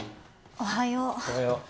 おはよう。